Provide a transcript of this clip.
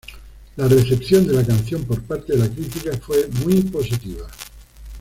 La recepción de la canción por parte de la crítica fue muy positiva.